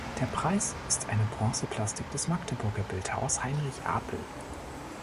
Der Preis ist eine Bronzeplastik des Magdeburger Bildhauers Heinrich Apel.